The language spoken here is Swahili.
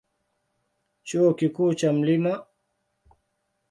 Chuo Kikuu cha Mt.